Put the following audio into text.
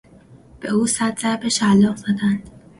به او صد ضربه شلاق زدند.